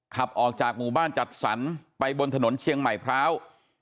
ขับออกจากหมู่บ้านจัดสรรไปบนถนนเชียงใหม่พร้าว